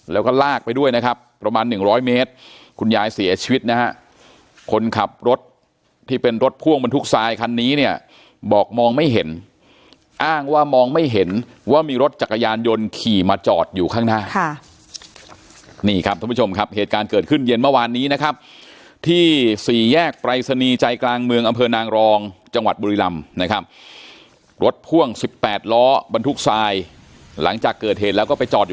แล้วก็ลากไปด้วยนะครับประมาณหนึ่งร้อยเมตรคุณยายเสียชีวิตนะฮะคนขับรถที่เป็นรถพ่วงบรรทุกทรายคันนี้เนี้ยบอกมองไม่เห็นอ้างว่ามองไม่เห็นว่ามีรถจักรยานยนต์ขี่มาจอดอยู่ข้างหน้าค่ะนี่ครับทุกผู้ชมครับเหตุการณ์เกิดขึ้นเย็นเมื่อวานนี้นะครับที่สี่แยกปรายสนีย์ใจกลางเมืองอำเภอนางรองจังหวัดบุรี